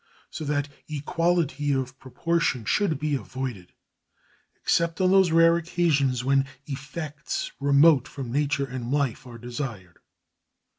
So that equality of proportion should be avoided except on those rare occasions when effects remote from nature and life are desired.